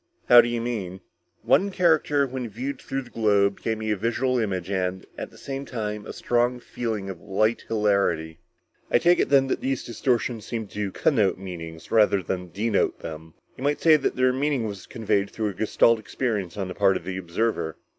"How do you mean?" "One character when viewed through the globe gave me a visual image and, at the same time, a strong feeling of light hilarity." "I take it then that these distortions seemed to connote meanings, rather than denote them. You might say that their meaning was conveyed through a Gestalt experience on the part of the observer."